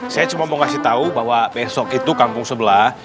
saya cuma mau ngasih tahu bahwa besok itu kampung sebelah